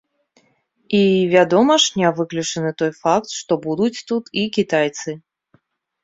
І, вядома ж, не выключаны той факт, што будуць тут і кітайцы.